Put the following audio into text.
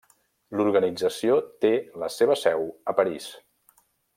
L'organització té la seva seu a París.